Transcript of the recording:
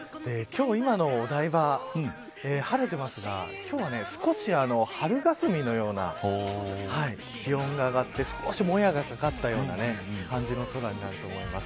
今のお台場晴れてますが今日は少し春霞のような気温が上がって少し、もやがかかったような感じの空になると思います。